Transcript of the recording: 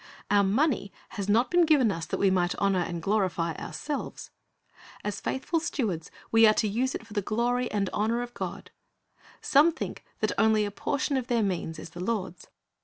Our money has not been given us that we might honor and glorify ourselves. As faithful stewards we are to use it for the honor and glory of God. Some think that only a portion of their means is the Lord's.